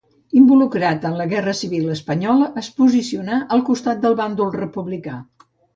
Involucrat en la Guerra Civil espanyola, es posicionà al costat del bàndol republicà.